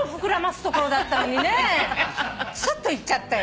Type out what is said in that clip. スッといっちゃったよ。